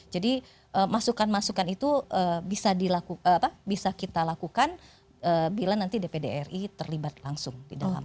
jadi masukan masukan itu bisa kita lakukan bila nanti dpd ri terlibat langsung di dalam